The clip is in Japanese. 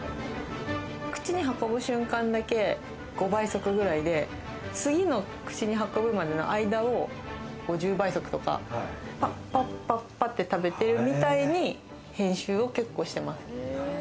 口に運ぶ瞬間だけ５倍速ぐらいで、次の口に運ぶまでの間を５０倍速とか、パッパッて食べているみたいに編集を結構してます。